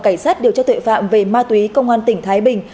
cảnh sát điều tra tuệ phạm về ma túy công an tỉnh thái bình